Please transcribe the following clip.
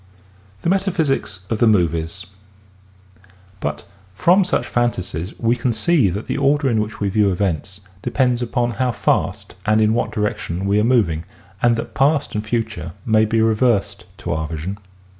THE METAPHYSICS OF THE MOVIES But from such fantasies we can see that the order in which we view events depends upon how fast and in what direction we are moving and that past and future may be reversed to our vision.